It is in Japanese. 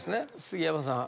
杉山さん